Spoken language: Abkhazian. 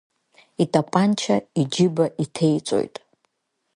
Итапанча иџьыба иҭеиҵоит.